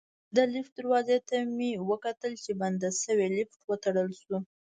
د لفټ دروازې ته مې کتل چې بنده شوې، لفټ وتړل شو.